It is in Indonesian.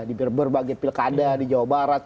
di berbagai pilkada di jawa barat